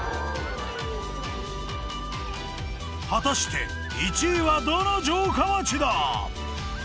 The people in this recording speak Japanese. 果たして１位はどの城下町だ？